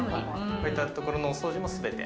こういった所のお掃除も全て。